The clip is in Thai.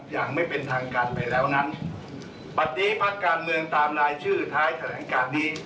อย่างไม่เป็นทางการไปแล้วนั้นปัดนี้ภาคการเมืองตามรายชื่อท้ายแถลงการนี้